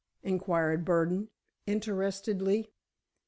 inquired Burdon, interestedly.